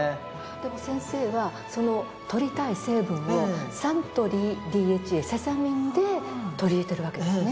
でも先生はその摂りたい成分をサントリーＤＨＡセサミンで取り入れてるわけですね。